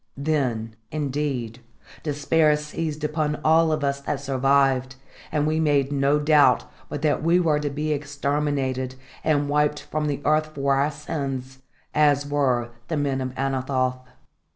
Then, indeed, despair seized upon all of us that survived, and we made no doubt but that we were to be exterminated and wiped from the earth for our sins, as were the men of Anathoth.